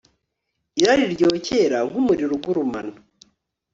irari ryokera nk'umuriro ugurumana